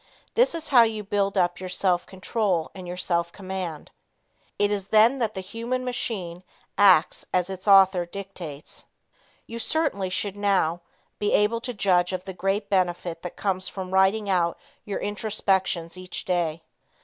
This is how you build up your self control and your self command. It is then that the human machine acts as its author dictates. You certainly should now be able to judge of the great benefit that comes from writing out your introspections each day.